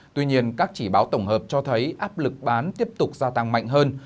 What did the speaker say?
tuy nhiên các chỉ báo tổng hợp cho thấy áp lực bán tiếp tục gia tăng mạnh hơn